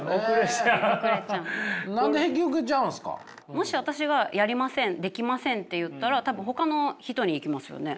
もし私が「やりませんできません」って言ったら多分ほかの人に行きますよね。